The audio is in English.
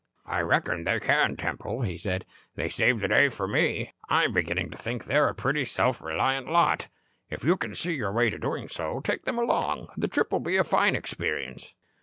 "I reckon they can, Temple," he said. "They saved the day for me. I'm beginning to think they are a pretty self reliant lot. If you can see your way to doing so, take them along. The trip will be a fine experience."